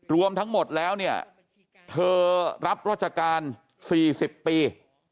รวมทั้งหมดแล้วเนี่ยเธอรับราชการ๔๐ปี